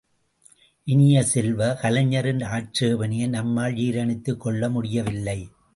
இனிய செல்வ, கலைஞரின் ஆட்சேபணையை நம்மால் ஜீரணித்துக் கொள்ளமுடியவில்லை!